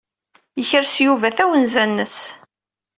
Yekres Yuba tawenza-nnes.